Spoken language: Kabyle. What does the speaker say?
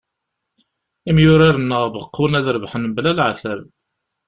Imyurar-nneɣ beqqun ad rebḥen mebla leɛtab.